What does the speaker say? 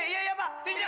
glenn lucky kembali